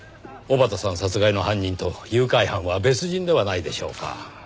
尾幡さん殺害の犯人と誘拐犯は別人ではないでしょうか。